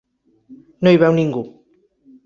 No hi veu ningú.